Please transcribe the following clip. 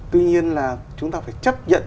tuy nhiên là chúng ta phải chấp nhận